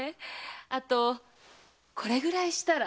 あとこれぐらいしたら。